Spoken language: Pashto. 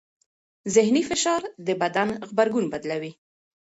ذهني فشار د بدن غبرګون بدلوي.